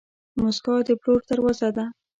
موسکا د پلور دروازه ده.